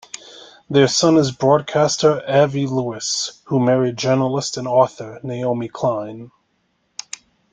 Their son is broadcaster Avi Lewis, who married journalist and author Naomi Klein.